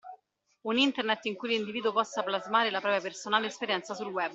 Un Internet in cui l’individuo possa plasmare la propria personale esperienza sul Web.